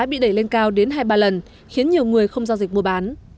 bị đẩy lên cao đến hai ba lần khiến nhiều người không giao dịch mua bán